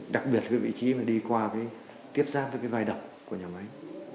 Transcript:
đặc biệt cái vị trí mà đi qua tiếp xác với cái vai đập của nhà máy